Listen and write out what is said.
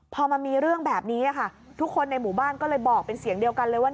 พอมันมีเรื่องแบบนี้ค่ะทุกคนในหมู่บ้านก็เลยบอกเป็นเสียงเดียวกันเลยว่า